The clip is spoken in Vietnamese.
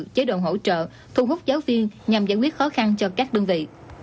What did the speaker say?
chế độ hỗ trợ thu hút giáo viên nhằm giải quyết khó khăn cho các đơn vị